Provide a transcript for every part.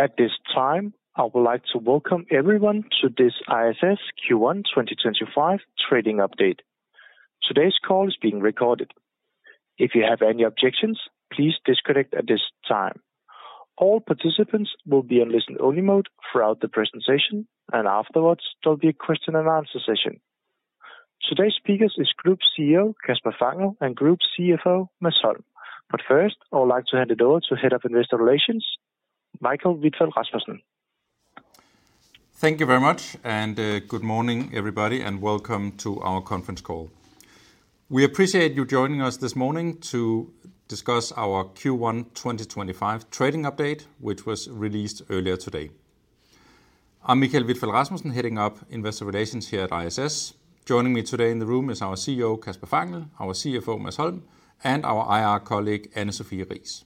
At this time, I would like to welcome everyone to this ISS Q1 2025 trading update. Today's call is being recorded. If you have any objections, please disconnect at this time. All participants will be on listen-only mode throughout the presentation, and afterwards, there will be a question-and-answer session. Today's speakers are Group CEO, Kasper Fangel, and Group CFO, Mads Holm. First, I would like to hand it over to Head of Investor Relations, Michael Vitfell-Rasmussen. Thank you very much, and good morning, everybody, and welcome to our conference call. We appreciate you joining us this morning to discuss our Q1 2025 trading update, which was released earlier today. I'm Michael Vitfell-Rasmussen, heading up Investor Relations here at ISS. Joining me today in the room is our CEO, Kasper Fangel, our CFO, Mads Holm, and our IR colleague, Anne Sophie Riis.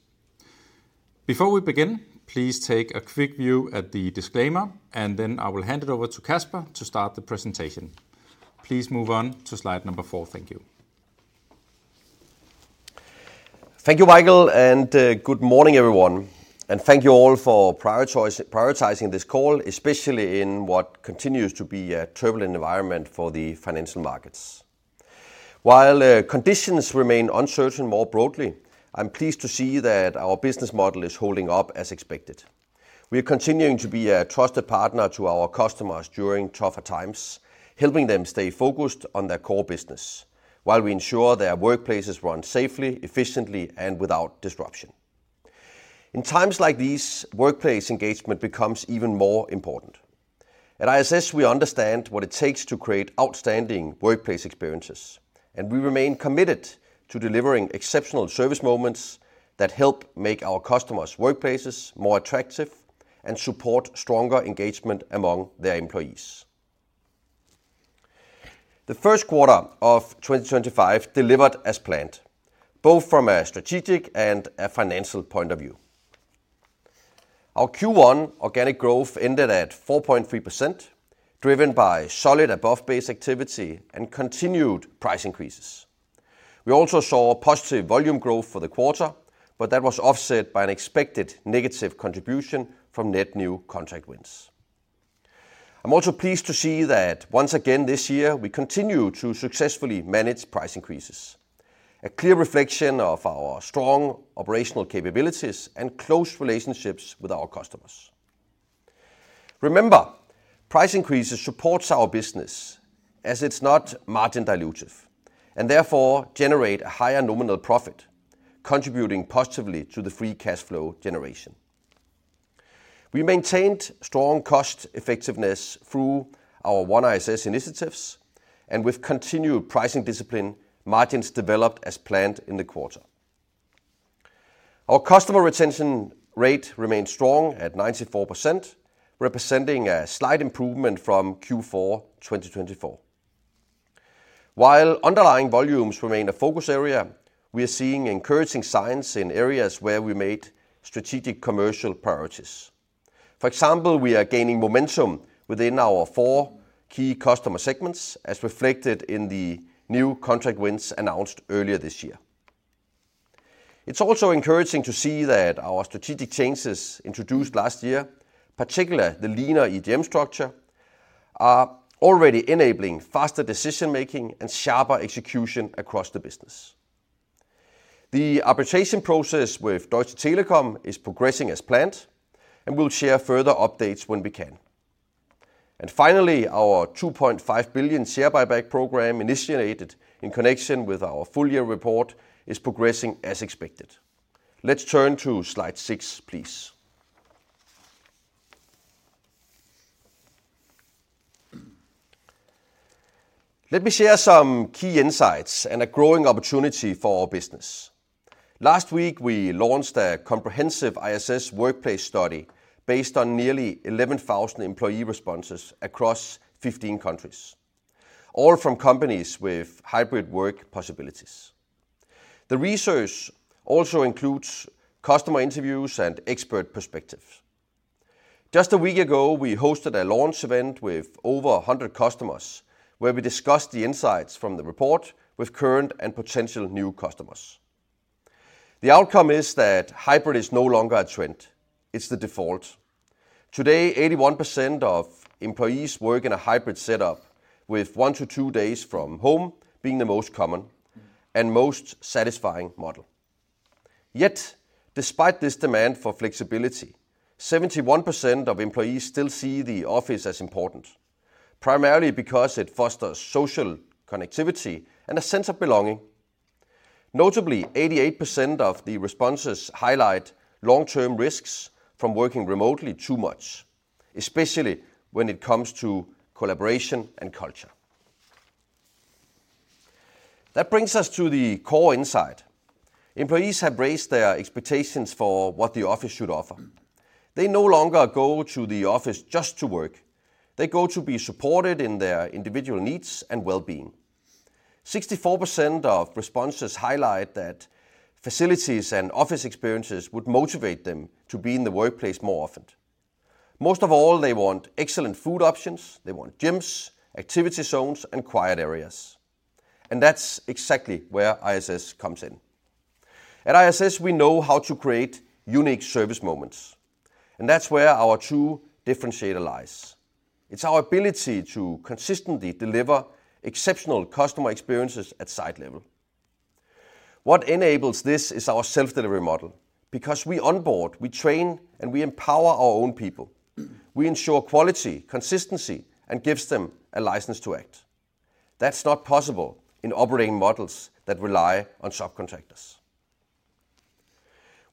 Before we begin, please take a quick view at the disclaimer, and then I will hand it over to Kasper to start the presentation. Please move on to slide number four. Thank you. Thank you, Michael, and good morning, everyone. Thank you all for prioritizing this call, especially in what continues to be a turbulent environment for the financial markets. While conditions remain uncertain more broadly, I'm pleased to see that our business model is holding up as expected. We are continuing to be a trusted partner to our customers during tougher times, helping them stay focused on their core business while we ensure their workplaces run safely, efficiently, and without disruption. In times like these, workplace engagement becomes even more important. At ISS, we understand what it takes to create outstanding workplace experiences, and we remain committed to delivering exceptional service moments that help make our customers' workplaces more attractive and support stronger engagement among their employees. The first quarter of 2025 delivered as planned, both from a strategic and a financial point of view. Our Q1 organic growth ended at 4.3%, driven by solid above-base activity and continued price increases. We also saw positive volume growth for the quarter, but that was offset by an expected negative contribution from net new contract wins. I'm also pleased to see that once again this year, we continue to successfully manage price increases, a clear reflection of our strong operational capabilities and close relationships with our customers. Remember, price increases support our business as it's not margin dilutive, and therefore generate a higher nominal profit, contributing positively to the free cash flow generation. We maintained strong cost effectiveness through our OneISS initiatives, and with continued pricing discipline, margins developed as planned in the quarter. Our customer retention rate remained strong at 94%, representing a slight improvement from Q4 2024. While underlying volumes remain a focus area, we are seeing encouraging signs in areas where we made strategic commercial priorities. For example, we are gaining momentum within our four key customer segments, as reflected in the new contract wins announced earlier this year. It is also encouraging to see that our strategic changes introduced last year, particularly the leaner EGM structure, are already enabling faster decision-making and sharper execution across the business. The arbitration process with Deutsche Telekom is progressing as planned, and we will share further updates when we can. Finally, our 2.5 billion share buyback program initiated in connection with our full year report is progressing as expected. Let's turn to slide six, please. Let me share some key insights and a growing opportunity for our business. Last week, we launched a comprehensive ISS workplace study based on nearly 11,000 employee responses across 15 countries, all from companies with hybrid work possibilities. The research also includes customer interviews and expert perspectives. Just a week ago, we hosted a launch event with over 100 customers where we discussed the insights from the report with current and potential new customers. The outcome is that hybrid is no longer a trend; it is the default. Today, 81% of employees work in a hybrid setup, with one to two days from home being the most common and most satisfying model. Yet, despite this demand for flexibility, 71% of employees still see the office as important, primarily because it fosters social connectivity and a sense of belonging. Notably, 88% of the responses highlight long-term risks from working remotely too much, especially when it comes to collaboration and culture. That brings us to the core insight. Employees have raised their expectations for what the office should offer. They no longer go to the office just to work; they go to be supported in their individual needs and well-being. 64% of responses highlight that facilities and office experiences would motivate them to be in the workplace more often. Most of all, they want excellent food options, they want gyms, activity zones, and quiet areas. That is exactly where ISS comes in. At ISS, we know how to create unique service moments, and that is where our true differentiator lies. It is our ability to consistently deliver exceptional customer experiences at site level. What enables this is our self-delivery model, because we onboard, we train, and we empower our own people. We ensure quality, consistency, and give them a license to act. That is not possible in operating models that rely on subcontractors.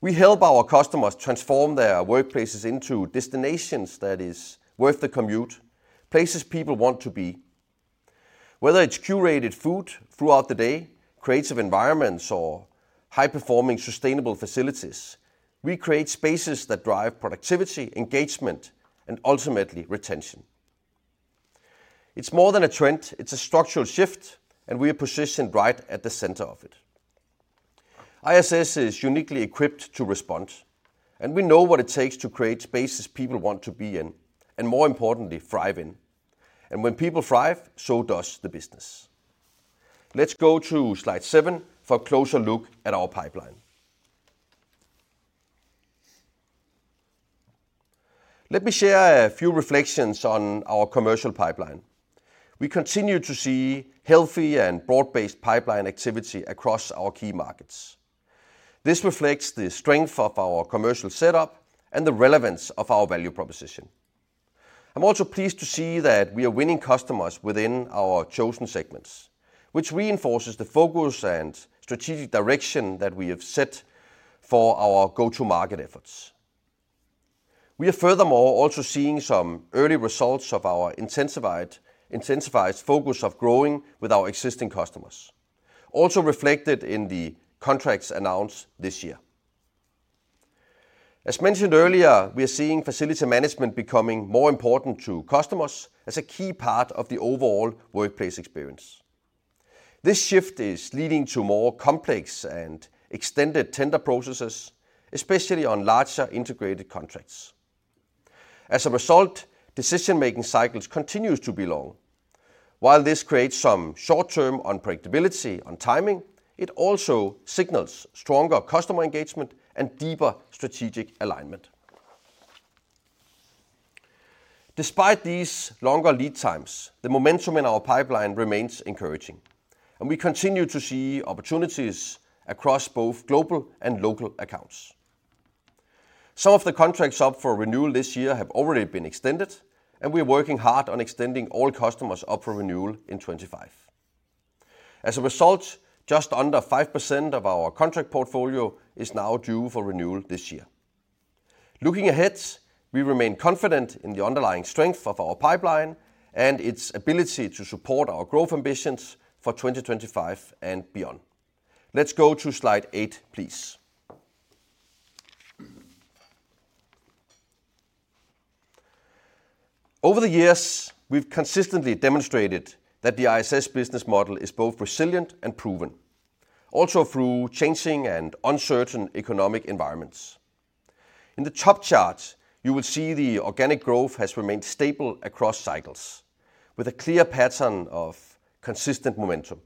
We help our customers transform their workplaces into destinations that are worth the commute, places people want to be. Whether it's curated food throughout the day, creative environments, or high-performing sustainable facilities, we create spaces that drive productivity, engagement, and ultimately retention. It is more than a trend. It is a structural shift, and we are positioned right at the center of it. ISS is uniquely equipped to respond, and we know what it takes to create spaces people want to be in, and more importantly, thrive in. When people thrive, so does the business. Let's go to slide seven for a closer look at our pipeline. Let me share a few reflections on our commercial pipeline. We continue to see healthy and broad-based pipeline activity across our key markets. This reflects the strength of our commercial setup and the relevance of our value proposition. I'm also pleased to see that we are winning customers within our chosen segments, which reinforces the focus and strategic direction that we have set for our go-to-market efforts. We are furthermore also seeing some early results of our intensified focus on growing with our existing customers, also reflected in the contracts announced this year. As mentioned earlier, we are seeing facility management becoming more important to customers as a key part of the overall workplace experience. This shift is leading to more complex and extended tender processes, especially on larger integrated contracts. As a result, decision-making cycles continue to be long. While this creates some short-term unpredictability on timing, it also signals stronger customer engagement and deeper strategic alignment. Despite these longer lead times, the momentum in our pipeline remains encouraging, and we continue to see opportunities across both global and local accounts. Some of the contracts up for renewal this year have already been extended, and we are working hard on extending all customers up for renewal in 2025. As a result, just under 5% of our contract portfolio is now due for renewal this year. Looking ahead, we remain confident in the underlying strength of our pipeline and its ability to support our growth ambitions for 2025 and beyond. Let's go to slide eight, please. Over the years, we've consistently demonstrated that the ISS business model is both resilient and proven, also through changing and uncertain economic environments. In the top chart, you will see the organic growth has remained stable across cycles, with a clear pattern of consistent momentum.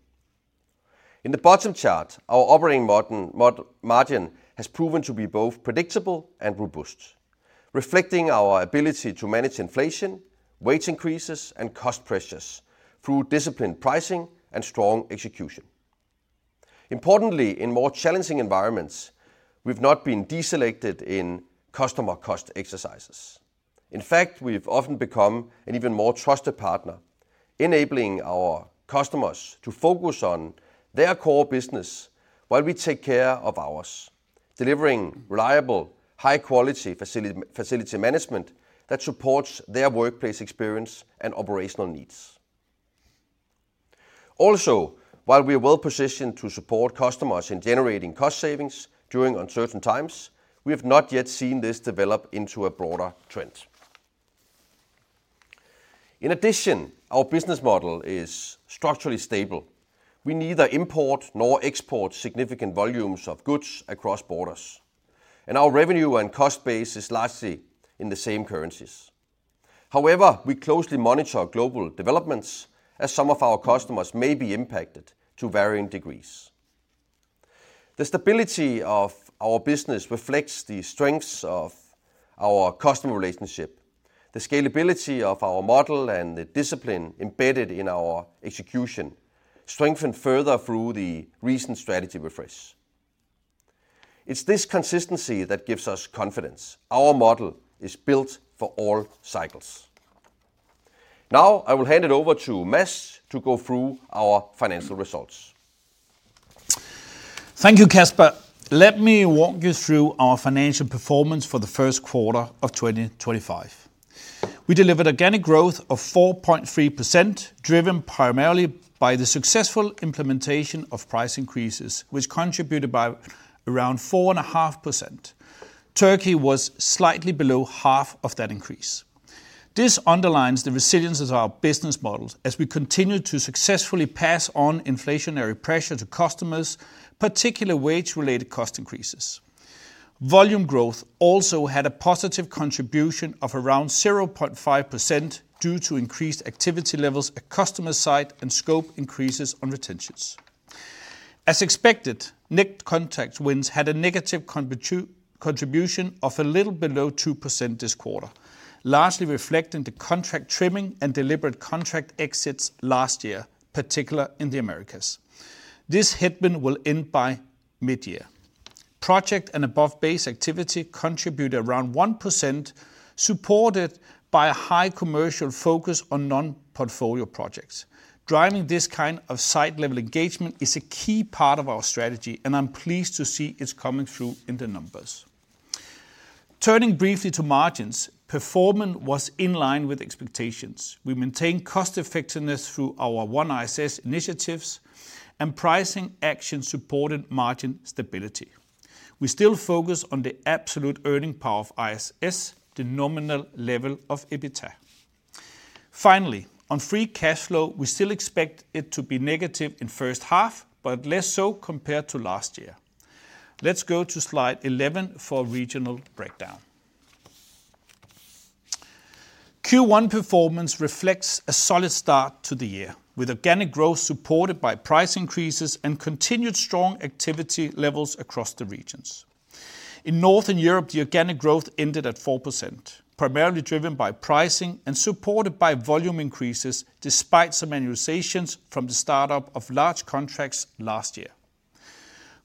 In the bottom chart, our operating margin has proven to be both predictable and robust, reflecting our ability to manage inflation, wage increases, and cost pressures through disciplined pricing and strong execution. Importantly, in more challenging environments, we've not been deselected in customer cost exercises. In fact, we've often become an even more trusted partner, enabling our customers to focus on their core business while we take care of ours, delivering reliable, high-quality facility management that supports their workplace experience and operational needs. Also, while we are well-positioned to support customers in generating cost savings during uncertain times, we have not yet seen this develop into a broader trend. In addition, our business model is structurally stable. We neither import nor export significant volumes of goods across borders, and our revenue and cost base is largely in the same currencies. However, we closely monitor global developments as some of our customers may be impacted to varying degrees. The stability of our business reflects the strengths of our customer relationship. The scalability of our model and the discipline embedded in our execution strengthen further through the recent strategy refresh. It is this consistency that gives us confidence. Our model is built for all cycles. Now I will hand it over to Mads to go through our financial results. Thank you, Kasper. Let me walk you through our financial performance for the first quarter of 2025. We delivered organic growth of 4.3%, driven primarily by the successful implementation of price increases, which contributed by around 4.5%. Turkey was slightly below half of that increase. This underlines the resilience of our business model as we continue to successfully pass on inflationary pressure to customers, particularly wage-related cost increases. Volume growth also had a positive contribution of around 0.5% due to increased activity levels at customer site and scope increases on retentions. As expected, net contract wins had a negative contribution of a little below 2% this quarter, largely reflecting the contract trimming and deliberate contract exits last year, particularly in the Americas. This headwind will end by mid-year. Project and above-base activity contributed around 1%, supported by a high commercial focus on non-portfolio projects. Driving this kind of site-level engagement is a key part of our strategy, and I'm pleased to see it's coming through in the numbers. Turning briefly to margins, performance was in line with expectations. We maintained cost-effectiveness through our OneISS initiatives, and pricing action supported margin stability. We still focus on the absolute earning power of ISS, the nominal level of EBITDA. Finally, on free cash flow, we still expect it to be negative in the first half, but less so compared to last year. Let's go to slide 11 for a regional breakdown. Q1 performance reflects a solid start to the year, with organic growth supported by price increases and continued strong activity levels across the regions. In Northern Europe, the organic growth ended at 4%, primarily driven by pricing and supported by volume increases despite some annualizations from the startup of large contracts last year.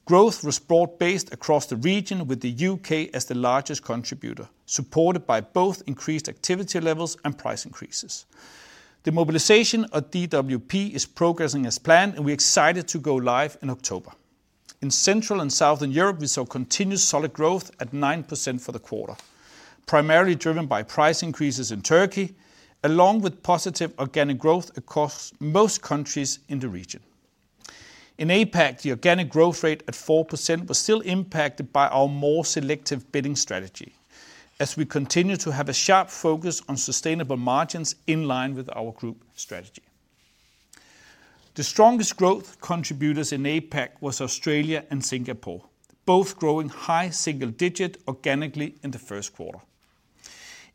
Growth was broad-based across the region, with the U.K. as the largest contributor, supported by both increased activity levels and price increases. The mobilization of DWP is progressing as planned, and we're excited to go live in October. In Central and Southern Europe, we saw continued solid growth at 9% for the quarter, primarily driven by price increases in Turkey, along with positive organic growth across most countries in the region. In APAC, the organic growth rate at 4% was still impacted by our more selective bidding strategy, as we continue to have a sharp focus on sustainable margins in line with our group strategy. The strongest growth contributors in APAC were Australia and Singapore, both growing high single-digit organically in the first quarter.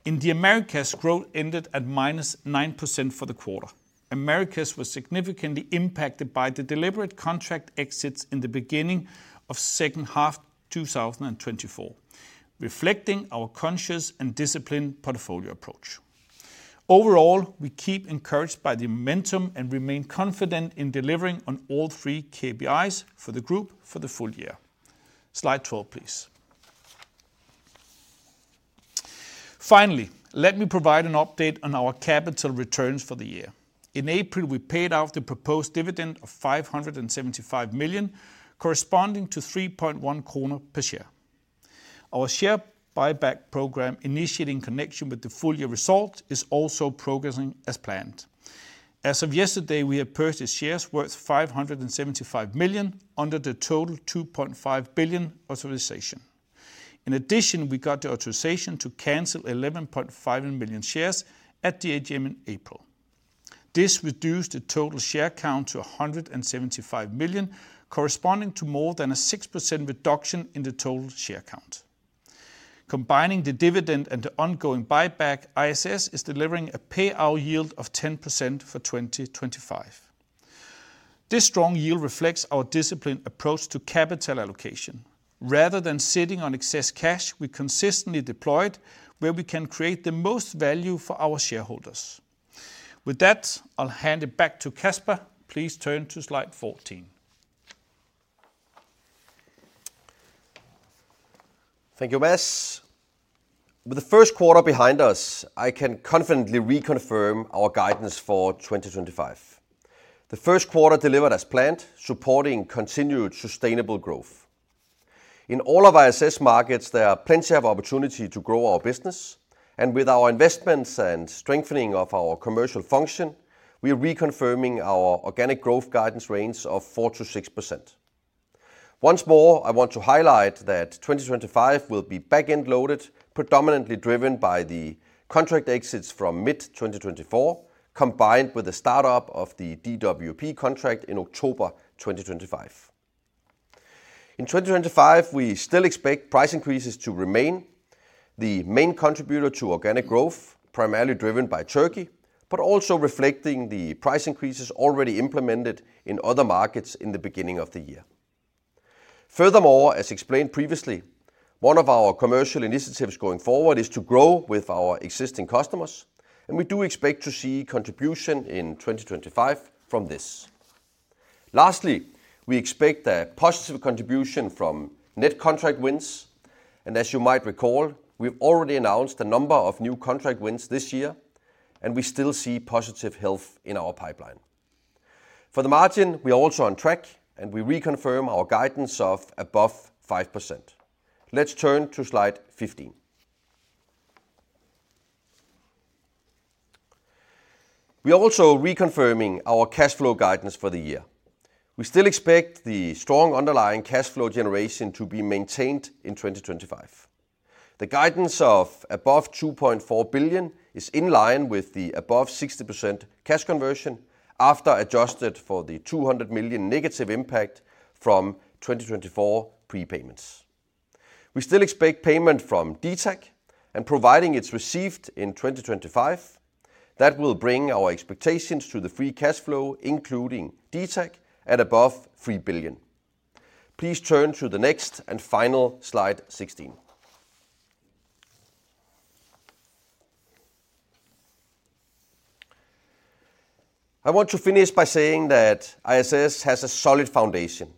In the Americas, growth ended at -9% for the quarter. Americas were significantly impacted by the deliberate contract exits in the beginning of the second half of 2024, reflecting our conscious and disciplined portfolio approach. Overall, we keep encouraged by the momentum and remain confident in delivering on all three KPIs for the group for the full year. Slide 12, please. Finally, let me provide an update on our capital returns for the year. In April, we paid out the proposed dividend of 575 million, corresponding to 3.1 kroner per share. Our share buyback program, initiated in connection with the full year results, is also progressing as planned. As of yesterday, we had purchased shares worth 575 million under the total 2.5 billion authorization. In addition, we got the authorization to cancel 11.5 million shares at the AGM in April. This reduced the total share count to 175 million, corresponding to more than a 6% reduction in the total share count. Combining the dividend and the ongoing buyback, ISS is delivering a payout yield of 10% for 2025. This strong yield reflects our disciplined approach to capital allocation. Rather than sitting on excess cash, we consistently deploy it where we can create the most value for our shareholders. With that, I'll hand it back to Kasper. Please turn to slide 14. Thank you, Mads. With the first quarter behind us, I can confidently reconfirm our guidance for 2025. The first quarter delivered as planned, supporting continued sustainable growth. In all of ISS markets, there are plenty of opportunities to grow our business, and with our investments and strengthening of our commercial function, we are reconfirming our organic growth guidance range of 4%-6%. Once more, I want to highlight that 2025 will be back-end loaded, predominantly driven by the contract exits from mid-2024, combined with the startup of the DWP contract in October 2025. In 2025, we still expect price increases to remain, the main contributor to organic growth, primarily driven by Turkey, but also reflecting the price increases already implemented in other markets in the beginning of the year. Furthermore, as explained previously, one of our commercial initiatives going forward is to grow with our existing customers, and we do expect to see contribution in 2025 from this. Lastly, we expect a positive contribution from net contract wins, and as you might recall, we've already announced the number of new contract wins this year, and we still see positive health in our pipeline. For the margin, we are also on track, and we reconfirm our guidance of above 5%. Let's turn to slide 15. We are also reconfirming our cash flow guidance for the year. We still expect the strong underlying cash flow generation to be maintained in 2025. The guidance of above 2.4 billion is in line with the above 60% cash conversion after adjusted for the 200 million negative impact from 2024 prepayments. We still expect payment from DTAG and providing it's received in 2025. That will bring our expectations to the free cash flow, including DTAG, at above 3 billion. Please turn to the next and final slide 16. I want to finish by saying that ISS has a solid foundation,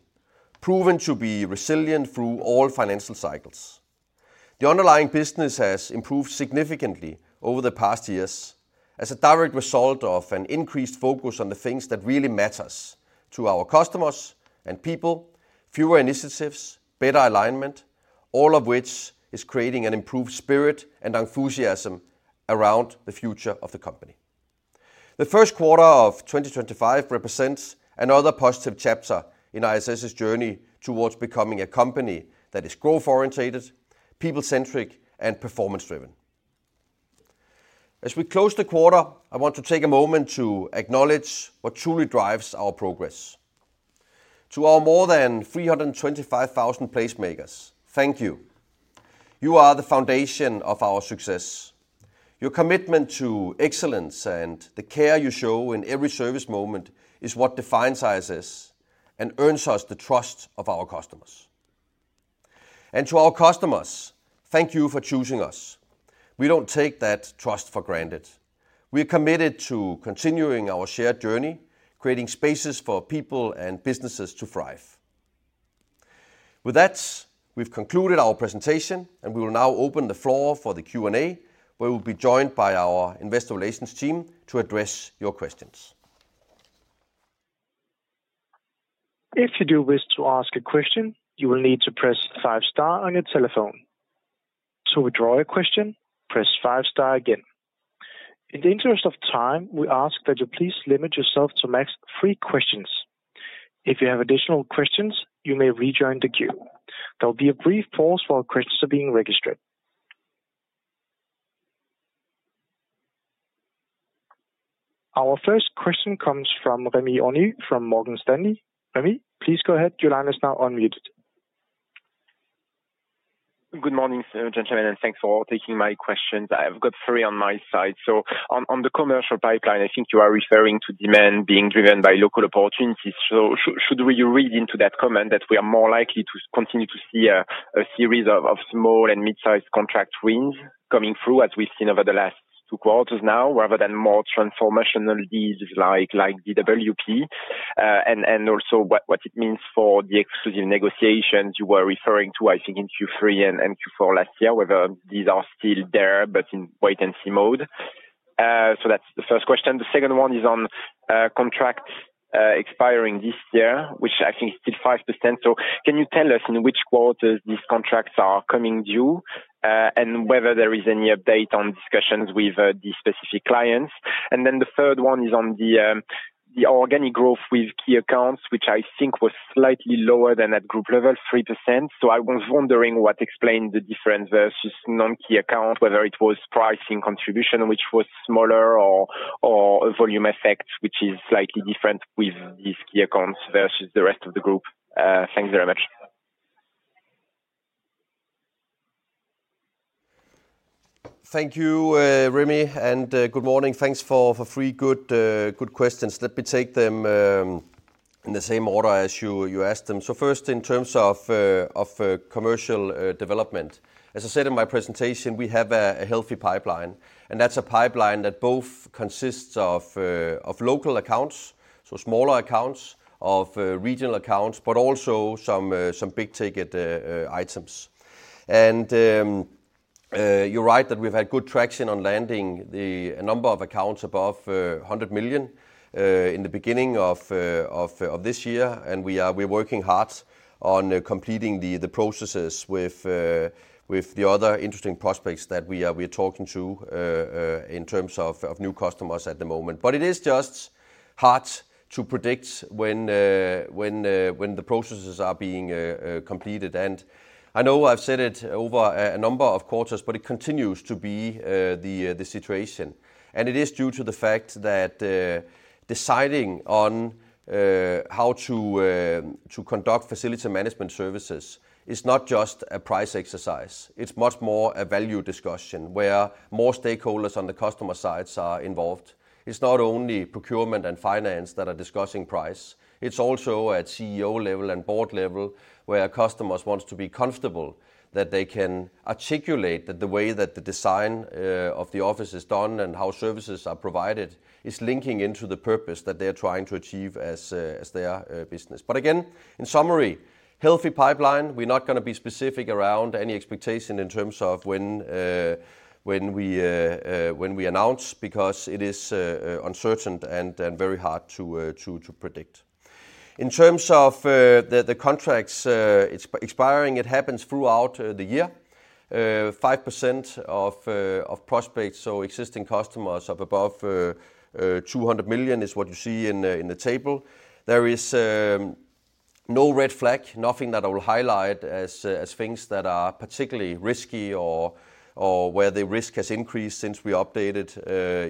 proven to be resilient through all financial cycles. The underlying business has improved significantly over the past years as a direct result of an increased focus on the things that really matter to our customers and people: fewer initiatives, better alignment, all of which is creating an improved spirit and enthusiasm around the future of the company. The first quarter of 2025 represents another positive chapter in ISS's journey towards becoming a company that is growth-oriented, people-centric, and performance-driven. As we close the quarter, I want to take a moment to acknowledge what truly drives our progress. To our more than 325,000 placemakers, thank you. You are the foundation of our success. Your commitment to excellence and the care you show in every service moment is what defines ISS and earns us the trust of our customers. To our customers, thank you for choosing us. We do not take that trust for granted. We are committed to continuing our shared journey, creating spaces for people and businesses to thrive. With that, we have concluded our presentation, and we will now open the floor for the Q&A, where we will be joined by our investor relations team to address your questions. If you do wish to ask a question, you will need to press five star on your telephone. To withdraw a question, press five star again. In the interest of time, we ask that you please limit yourself to max three questions. If you have additional questions, you may rejoin the queue. There will be a brief pause while questions are being registered. Our first question comes from Rémi Grenu from Morgan Stanley. Rémi, please go ahead. Your line is now unmuted. Good morning, gentlemen, and thanks for taking my question. I have got three on my side. On the commercial pipeline, I think you are referring to demand being driven by local opportunities. Should we read into that comment that we are more likely to continue to see a series of small and mid-sized contract wins coming through, as we've seen over the last two quarters now, rather than more transformational deals like DWP? Also, what does it mean for the exclusive negotiations you were referring to, I think, in Q3 and Q4 last year, whether these are still there but in wait-and-see mode? That is the first question. The second one is on contracts expiring this year, which I think is still 5%. Can you tell us in which quarters these contracts are coming due and whether there is any update on discussions with the specific clients? The third one is on the organic growth with key accounts, which I think was slightly lower than at group level, 3%. I was wondering what explained the difference versus non-key account, whether it was pricing contribution, which was smaller, or a volume effect, which is slightly different with these key accounts versus the rest of the group. Thanks very much. Thank you, Rémi, and good morning. Thanks for three good questions. Let me take them in the same order as you asked them. First, in terms of commercial development, as I said in my presentation, we have a healthy pipeline, and that is a pipeline that both consists of local accounts, so smaller accounts, of regional accounts, but also some big ticket items. You are right that we have had good traction on landing a number of accounts above 100 million in the beginning of this year, and we are working hard on completing the processes with the other interesting prospects that we are talking to in terms of new customers at the moment. It is just hard to predict when the processes are being completed. I know I have said it over a number of quarters, but it continues to be the situation. It is due to the fact that deciding on how to conduct facility management services is not just a price exercise. It's much more a value discussion where more stakeholders on the customer side are involved. It's not only procurement and finance that are discussing price. It's also at CEO level and board level where customers want to be comfortable that they can articulate that the way that the design of the office is done and how services are provided is linking into the purpose that they're trying to achieve as their business. Again, in summary, healthy pipeline. We're not going to be specific around any expectation in terms of when we announce because it is uncertain and very hard to predict. In terms of the contracts expiring, it happens throughout the year. 5% of prospects, so existing customers of above 200 million is what you see in the table. There is no red flag, nothing that I will highlight as things that are particularly risky or where the risk has increased since we updated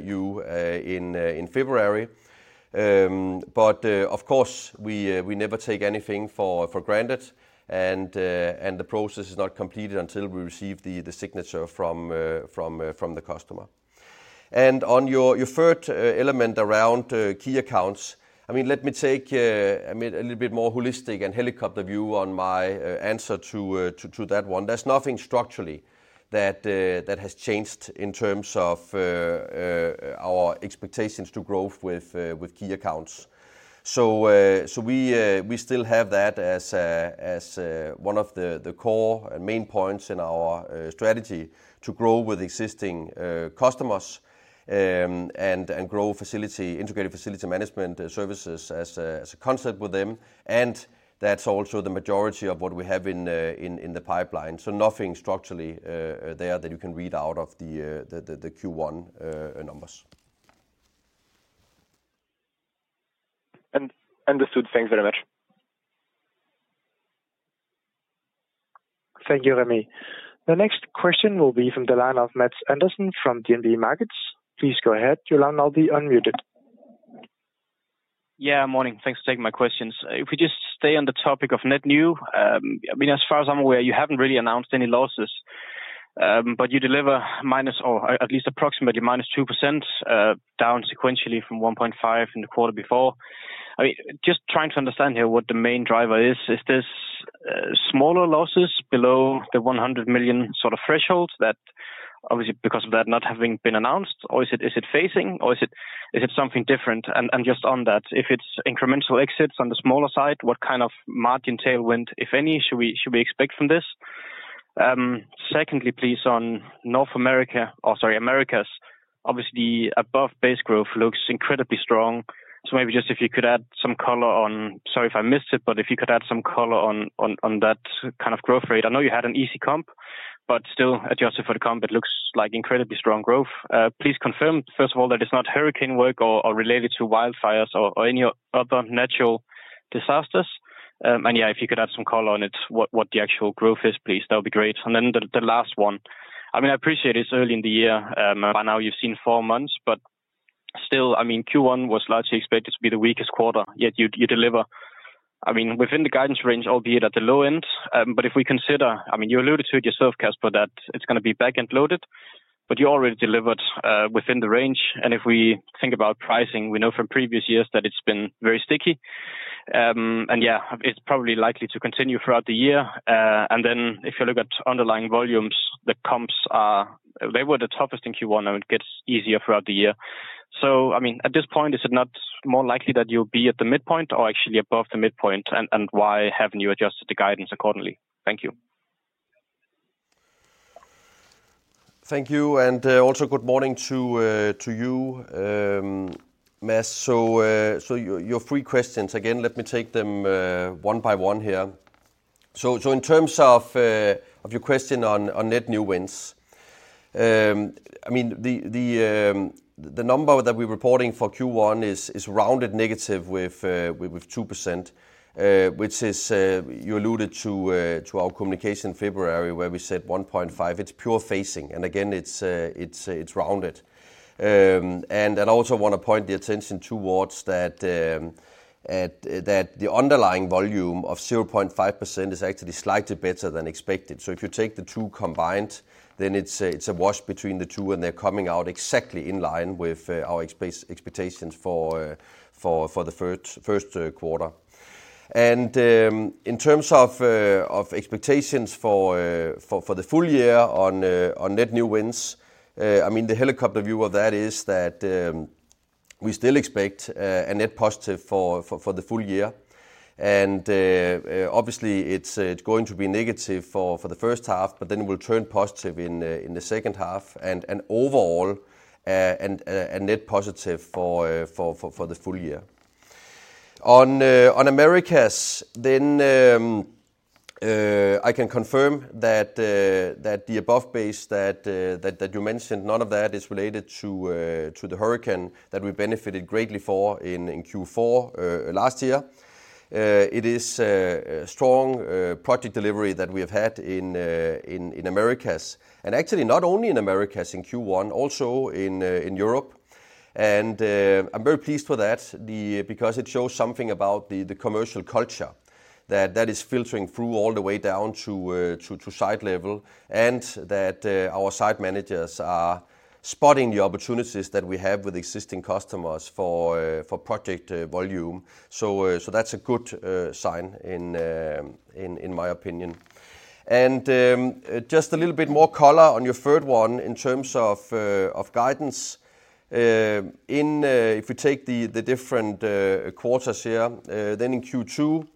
you in February. We never take anything for granted, and the process is not completed until we receive the signature from the customer. On your third element around key accounts, I mean, let me take a little bit more holistic and helicopter view on my answer to that one. There is nothing structurally that has changed in terms of our expectations to grow with key accounts. We still have that as one of the core and main points in our strategy to grow with existing customers and grow integrated facility management services as a concept with them. That is also the majority of what we have in the pipeline. Nothing structurally there that you can read out of the Q1 numbers. Understood. Thanks very much. Thank you, Rémi. The next question will be from the line of Mads Andersen from DNB Markets. Please go ahead. Your line will be unmuted. Yeah, morning. Thanks for taking my questions. If we just stay on the topic of net new, I mean, as far as I'm aware, you haven't really announced any losses, but you deliver minus or at least approximately -2% down sequentially from 1.5% in the quarter before. I mean, just trying to understand here what the main driver is. Is this smaller losses below the 100 million sort of threshold that obviously, because of that not having been announced, or is it phasing, or is it something different? Just on that, if it's incremental exits on the smaller side, what kind of margin tailwind, if any, should we expect from this? Secondly, please, on North America or, sorry, Americas, obviously, above-base growth looks incredibly strong. If you could add some color on, sorry if I missed it, but if you could add some color on that kind of growth rate. I know you had an EC comp, but still, at your support comp, it looks like incredibly strong growth. Please confirm, first of all, that it's not hurricane work or related to wildfires or any other natural disasters. If you could add some color on it, what the actual growth is, please, that would be great. The last one, I mean, I appreciate it's early in the year. By now, you've seen four months, but still, Q1 was largely expected to be the weakest quarter. Yet you deliver, I mean, within the guidance range, albeit at the low end. If we consider, I mean, you alluded to it yourself, Kasper, that it's going to be back-end loaded, but you already delivered within the range. If we think about pricing, we know from previous years that it's been very sticky. Yeah, it's probably likely to continue throughout the year. If you look at underlying volumes, the comps, they were the toughest in Q1, and it gets easier throughout the year. I mean, at this point, is it not more likely that you'll be at the midpoint or actually above the midpoint, and why haven't you adjusted the guidance accordingly? Thank you. Thank you. Also, good morning to you, Mads. Your three questions, again, let me take them one by one here. In terms of your question on net new wins, I mean, the number that we're reporting for Q1 is rounded negative with 2%, which is, you alluded to our communication in February where we said 1.5%. It's pure phasing. Again, it's rounded. I also want to point the attention towards that the underlying volume of 0.5% is actually slightly better than expected. If you take the two combined, then it's a wash between the two, and they're coming out exactly in line with our expectations for the first quarter. In terms of expectations for the full year on net new wins, I mean, the helicopter view of that is that we still expect a net positive for the full year. Obviously, it's going to be negative for the first half, but then it will turn positive in the second half and overall a net positive for the full year. On Americas, I can confirm that the above-base that you mentioned, none of that is related to the hurricane that we benefited greatly for in Q4 last year. It is strong project delivery that we have had in Americas, and actually not only in Americas in Q1, also in Europe. I'm very pleased for that because it shows something about the commercial culture that is filtering through all the way down to site level and that our site managers are spotting the opportunities that we have with existing customers for project volume. That's a good sign in my opinion. Just a little bit more color on your third one in terms of guidance. If we take the different quarters here, then in Q2,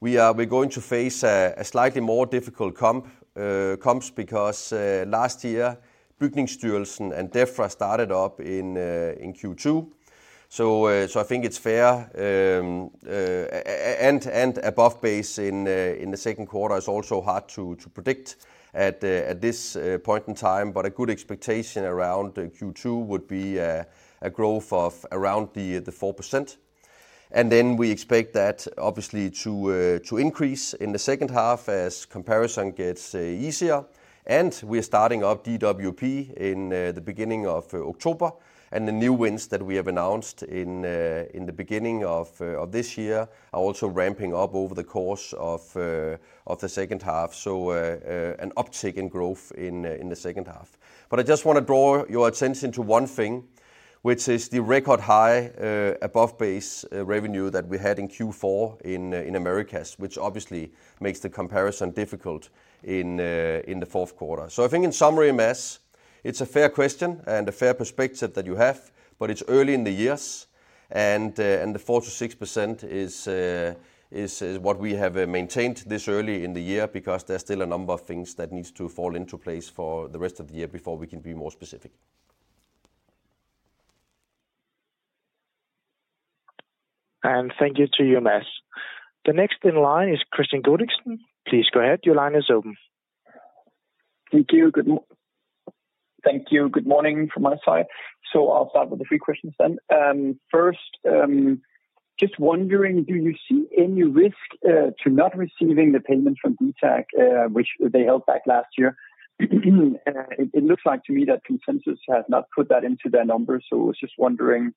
we're going to face a slightly more difficult comps because last year, Bygningsstyrelsen and Defra started up in Q2. I think it's fair. Above base in the second quarter is also hard to predict at this point in time, but a good expectation around Q2 would be a growth of around 4%. We expect that obviously to increase in the second half as comparison gets easier. We're starting up DWP in the beginning of October. The new wins that we have announced in the beginning of this year are also ramping up over the course of the second half. An uptick in growth in the second half. I just want to draw your attention to one thing, which is the record high above-base revenue that we had in Q4 in Americas, which obviously makes the comparison difficult in the fourth quarter. I think in summary, Mats, it's a fair question and a fair perspective that you have, but it's early in the year. The 4%-6% is what we have maintained this early in the year because there's still a number of things that need to fall into place for the rest of the year before we can be more specific. Thank you to you, Mads. The next in line is Kristian Godiksen. Please go ahead. Your line is open. Thank you. Thank you. Good morning from my side. I'll start with the three questions then. First, just wondering, do you see any risk to not receiving the payments from DTAG, which they held back last year? It looks like to me that consensus has not put that into their numbers. I was just wondering,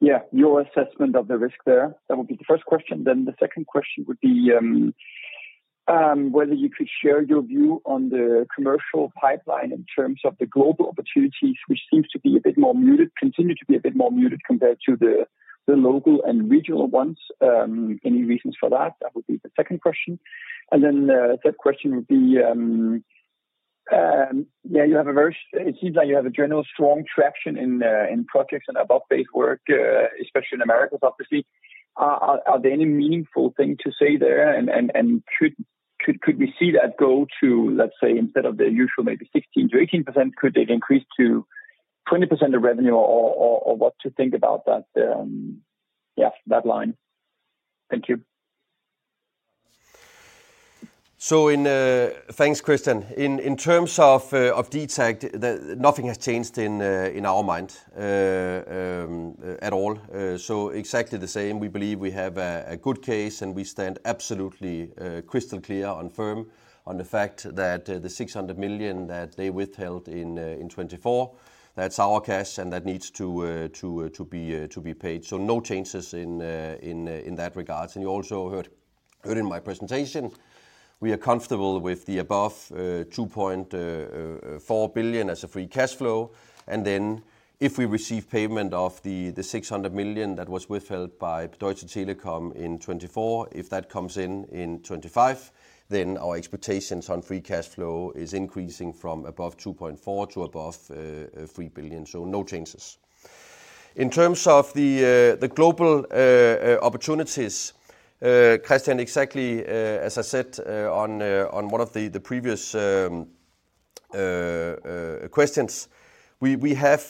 your assessment of the risk there. That would be the first question. The second question would be whether you could share your view on the commercial pipeline in terms of the global opportunities, which seems to be a bit more muted, continue to be a bit more muted compared to the local and regional ones. Any reasons for that? That would be the second question. The third question would be, yeah, you have a very, it seems like you have a general strong traction in projects and above-base work, especially in Americas, obviously. Are there any meaningful things to say there? Could we see that go to, let's say, instead of the usual maybe 16%-18%, could it increase to 20% of revenue or what to think about that line? Thank you. Thanks, Kristian. In terms of DTAG, nothing has changed in our mind at all. Exactly the same. We believe we have a good case, and we stand absolutely crystal clear and firm on the fact that the 600 million that they withheld in 2024, that's our cash, and that needs to be paid. No changes in that regard. You also heard in my presentation, we are comfortable with the above 2.4 billion as a free cash flow. If we receive payment of the 600 million that was withheld by Deutsche Telekom in 2024, if that comes in in 2025, then our expectations on free cash flow is increasing from above 2.4 billion to above 3 billion. No changes. In terms of the global opportunities, Kristian, exactly as I said on one of the previous questions, we have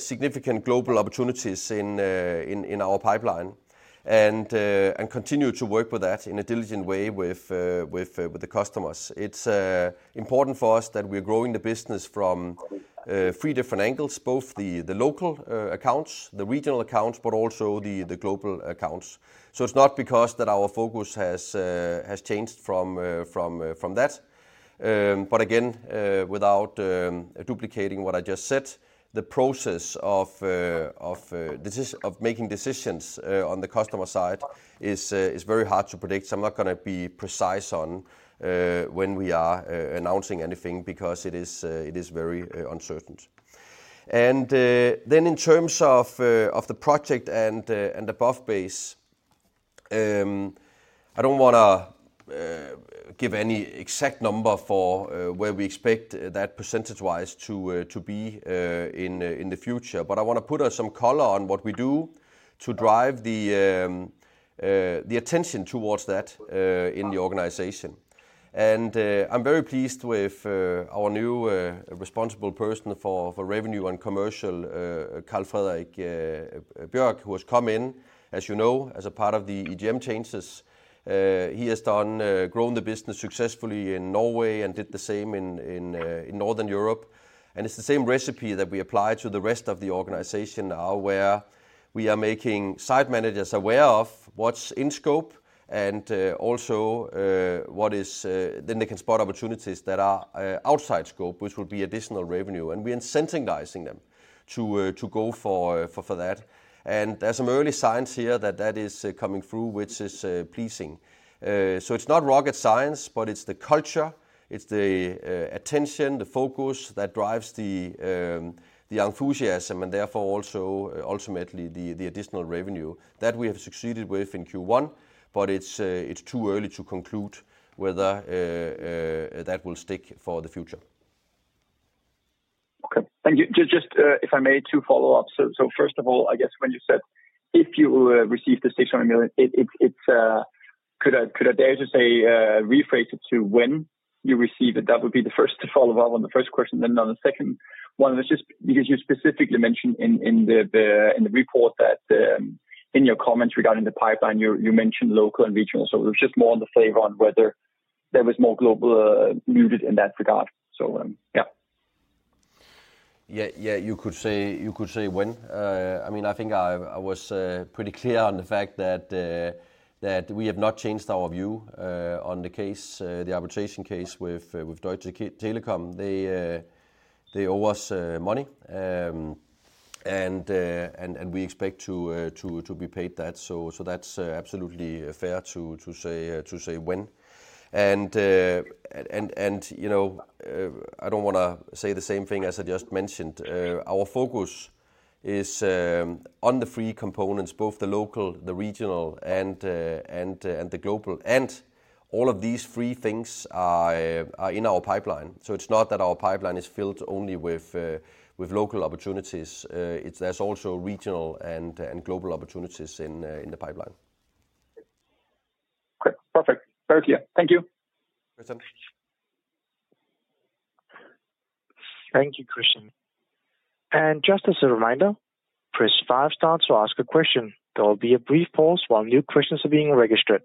significant global opportunities in our pipeline and continue to work with that in a diligent way with the customers. It's important for us that we're growing the business from three different angles, both the local accounts, the regional accounts, but also the global accounts. It is not because our focus has changed from that. Again, without duplicating what I just said, the process of making decisions on the customer side is very hard to predict. I'm not going to be precise on when we are announcing anything because it is very uncertain. In terms of the project and above-base, I do not want to give any exact number for where we expect that percentage-wise to be in the future, but I want to put some color on what we do to drive the attention towards that in the organization. I am very pleased with our new responsible person for revenue and commercial, Carl-Fredrik Bjor, who has come in, as you know, as a part of the EGM changes. He has done growing the business successfully in Norway and did the same in Northern Europe. It is the same recipe that we apply to the rest of the organization now where we are making site managers aware of what is in scope and also what is then they can spot opportunities that are outside scope, which would be additional revenue. We are incentivizing them to go for that. There are some early signs here that that is coming through, which is pleasing. It is not rocket science, but it is the culture. It is the attention, the focus that drives the enthusiasm and therefore also ultimately the additional revenue that we have succeeded with in Q1, but it is too early to conclude whether that will stick for the future. Okay. Thank you. Just if I may, two follow-ups. First of all, I guess when you said if you receive the 600 million, could I dare to say rephrase it to when you receive it? That would be the first follow-up on the first question. On the second one, it's just because you specifically mentioned in the report that in your comments regarding the pipeline, you mentioned local and regional. It was just more on the flavor on whether there was more global muted in that regard. Yeah. Yeah, yeah, you could say when. I mean, I think I was pretty clear on the fact that we have not changed our view on the case, the arbitration case with Deutsche Telekom. They owe us money, and we expect to be paid that. That's absolutely fair to say when. I don't want to say the same thing as I just mentioned. Our focus is on the three components, both the local, the regional, and the global. All of these three things are in our pipeline. It's not that our pipeline is filled only with local opportunities. There's also regional and global opportunities in the pipeline. Thank you. Thank you. Thank you, Kristian. Just as a reminder, press five star to ask a question. There will be a brief pause while new questions are being registered.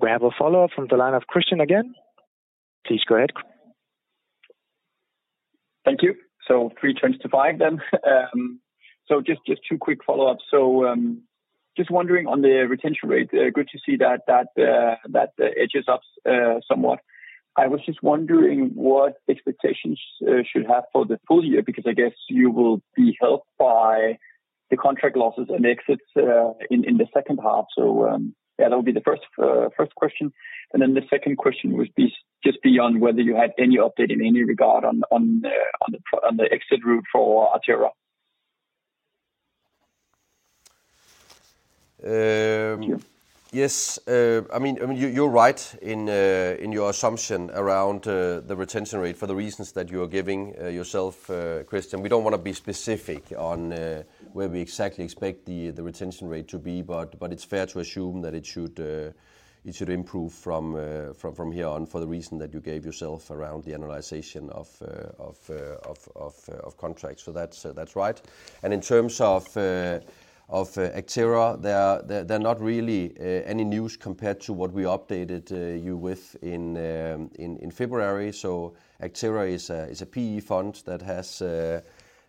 We have a follow-up from the line of Kristian again. Please go ahead. Thank you. Three turns to five then. Just two quick follow-ups. Just wondering on the retention rate, good to see that it is up somewhat. I was just wondering what expectations should have for the full year because I guess you will be helped by the contract losses and exits in the second half. That will be the first question. The second question would be just beyond whether you had any update in any regard on the exit route for Actera. Yes. I mean, you're right in your assumption around the retention rate for the reasons that you are giving yourself, Kristian. We don't want to be specific on where we exactly expect the retention rate to be, but it's fair to assume that it should improve from here on for the reason that you gave yourself around the analyzation of contracts. That's right. In terms of Actera, there are not really any news compared to what we updated you with in February. Actera is a P/E fund that has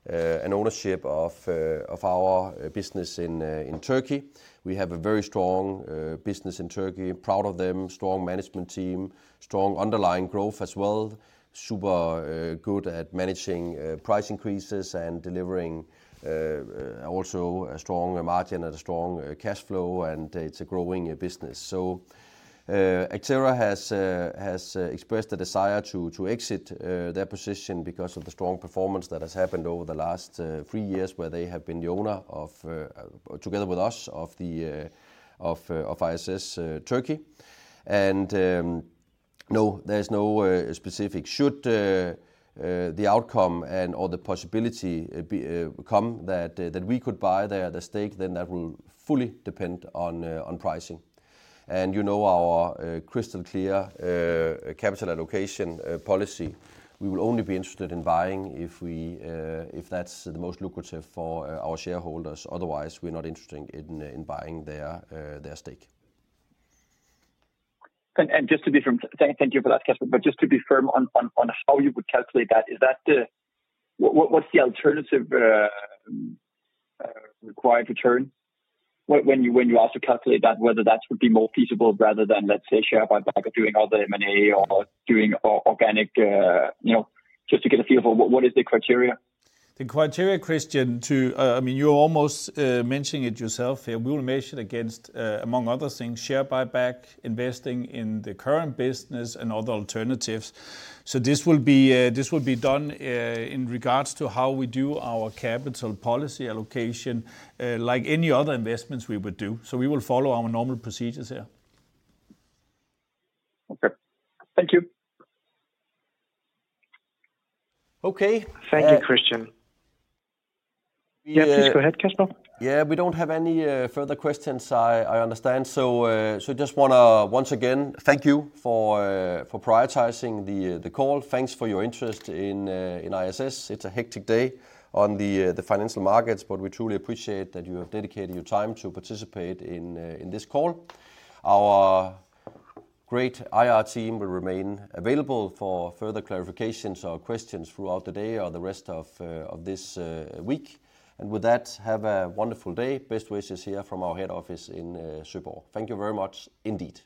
an ownership of our business in Turkey. We have a very strong business in Turkey, proud of them, strong management team, strong underlying growth as well, super good at managing price increases and delivering also a strong margin and a strong cash flow, and it's a growing business. Actera has expressed a desire to exit their position because of the strong performance that has happened over the last three years where they have been the owner together with us of ISS Turkey. No, there is no specific should the outcome and/or the possibility come that we could buy the stake, then that will fully depend on pricing. You know our crystal clear capital allocation policy. We will only be interested in buying if that is the most lucrative for our shareholders. Otherwise, we are not interested in buying their stake. Just to be firm, thank you for that, Kasper, just to be firm on how you would calculate that, what's the alternative required return when you ask to calculate that, whether that would be more feasible rather than, let's say, share buyback or doing all the M&A or doing organic? The criteria, Kristian, I mean, you're almost mentioning it yourself here. We will measure against, among other things, share buyback, investing in the current business, and other alternatives. This will be done in regards to how we do our capital policy allocation, like any other investments we would do. We will follow our normal procedures here. Okay. Thank you. Okay. Thank you, Kristian. Yes, please go ahead, Kasper. Yeah, we do not have any further questions, I understand. Just want to once again thank you for prioritizing the call. Thanks for your interest in ISS. It is a hectic day on the financial markets, but we truly appreciate that you have dedicated your time to participate in this call. Our great IR team will remain available for further clarifications or questions throughout the day or the rest of this week. With that, have a wonderful day. Best wishes here from our head office in Søborg. Thank you very much indeed.